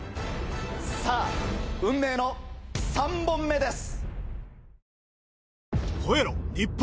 さぁ運命の３本目です！